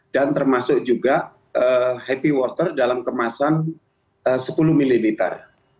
dan termasuk juga happy water dalam kemasan sepuluh mililiter